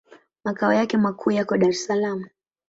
Makao yake makuu yako Dar es Salaam.